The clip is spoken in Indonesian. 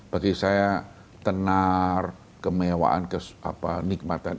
bagi saya tenar kemewaan kenikmatan